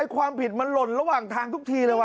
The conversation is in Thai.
ความผิดมันหล่นระหว่างทางทุกทีเลยว